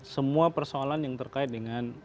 semua persoalan yang terkait dengan